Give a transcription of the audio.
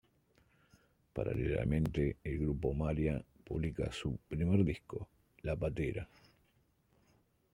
Paralelamente, el grupo Marea publica su primer disco, "La patera".